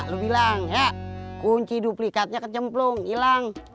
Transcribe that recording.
lo bilang ya kunci duplikatnya kecemplung hilang